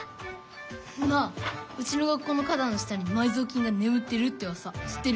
なあうちの学校の花だんの下に埋蔵金がねむってるってうわさ知ってる？